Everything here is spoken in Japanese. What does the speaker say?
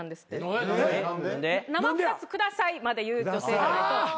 生２つ下さいまで言う女性じゃないと。